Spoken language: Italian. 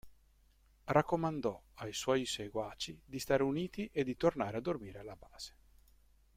Raccomandò ai suoi seguaci di stare uniti e di tornare a dormire alla base.